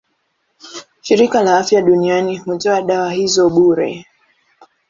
Shirika la Afya Duniani hutoa dawa hizo bure.